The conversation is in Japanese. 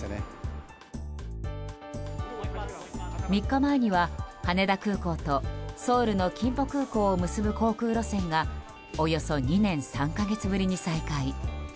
３日前には羽田空港とソウルのキンポ空港を結ぶ航空路線がおよそ２年３か月ぶりに再開。